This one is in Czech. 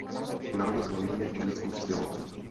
Narodil se v Londýně indickým přistěhovalcům.